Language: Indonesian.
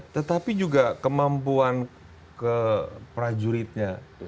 tetapi juga kemampuan ke prajuritnya